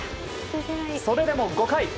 それでも５回。